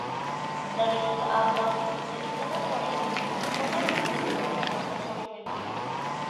La revista Al-Basit, editada por ellos, fue el antecedente que marcó su origen.